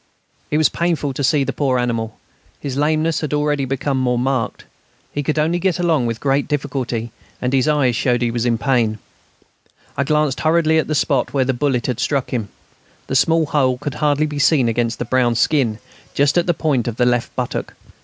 It was painful to see the poor animal; his lameness had already become more marked. He could only get along with great difficulty, and his eyes showed he was in pain. I glanced hurriedly at the spot where the bullet had struck him. The small hole could hardly be seen against the brown skin, just at the point of the left buttock.